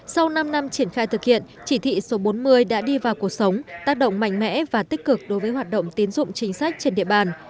sau năm năm triển khai thực hiện chỉ thị số bốn mươi đã đi vào cuộc sống tác động mạnh mẽ và tích cực đối với hoạt động tiến dụng chính sách trên địa bàn